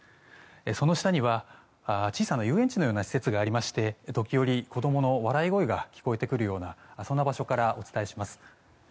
その下には小さな遊園地のような施設がありまして時折、子供の笑い声が聞こえてくるようなそんな場所からお伝えします。